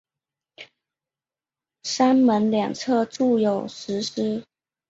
山门两侧筑有石狮。